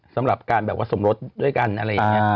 สำหรับการแบบว่าสมรสด้วยกันอะไรอย่างนี้